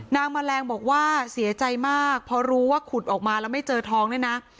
แมลงบอกว่าเสียใจมากพอรู้ว่าขุดออกมาแล้วไม่เจอท้องเนี่ยนะ